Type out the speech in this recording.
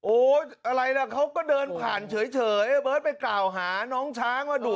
อะไรล่ะเขาก็เดินผ่านเฉยเบิร์ตไปกล่าวหาน้องช้างว่าดุ